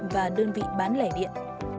và đơn vị bán lẻ điện